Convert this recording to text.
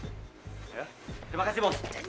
terima kasih bos